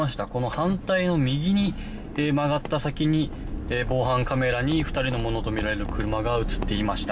反対の右に曲がった先に防犯カメラに２人のものとみられる車が映っていました。